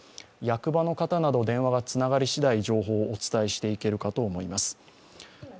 役場の方など、電話がつながりしだい、情報をお伝えしていけるかと思います。